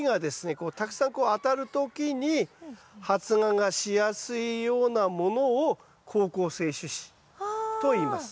こうたくさんこう当たる時に発芽がしやすいようなものを好光性種子といいます。